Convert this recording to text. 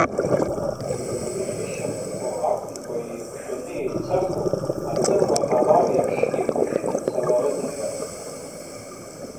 Ихьышьарххо акәымкәа, еиқәшәаны еицахо, аҵыруа алар еиԥш иқәыршәны ицаларын ҳәа.